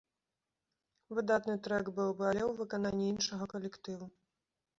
Выдатны трэк быў бы, але ў выкананні іншага калектыву.